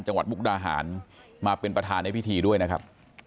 มุกดาหารมาเป็นประธานในพิธีด้วยนะครับ